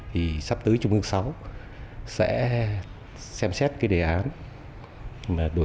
thì sắp tới trung ương sáu sẽ xem xét cái đề án đổi